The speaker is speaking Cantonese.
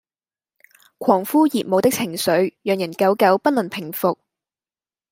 狂呼熱舞的情緒讓人久久不能平伏